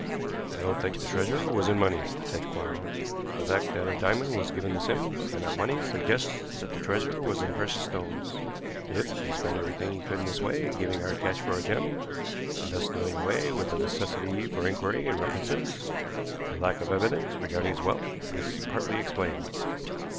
"I don't think the treasure was in money," said Quarles. "The fact that a diamond was given to Sims and not money suggests that the treasure was in precious stones. If he spent everything he could in this way, giving hard cash for a gem, and thus doing away with the necessity for inquiry and references, the lack of evidence regarding his wealth is partly explained.